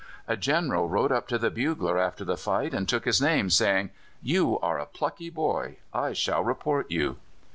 A General rode up to the bugler after the fight, and took his name, saying: "You are a plucky boy. I shall report you!"